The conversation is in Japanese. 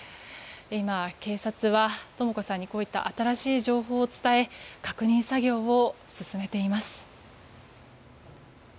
今、警察は、とも子さんにこうした新しい情報を伝え確認作業を進めています。